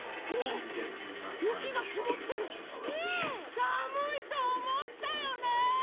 さむいとおもったよね！